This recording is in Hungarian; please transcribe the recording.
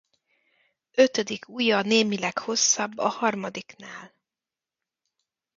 Ötödik ujja némileg hosszabb a harmadiknál.